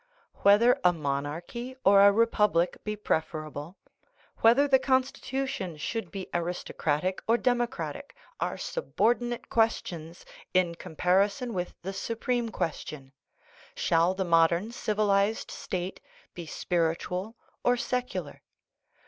Whether a monarchy or a re public be preferable, whether the constitution should be 8 THE NATURE OF THE PROBLEM aristocratic or democratic, are subordinate questions in comparison with the supreme question : Shall the mod ern civilized state be spiritual or secular